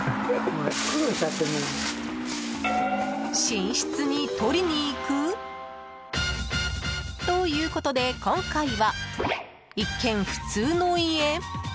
寝室に取りに行く？ということで、今回は一見、普通の家？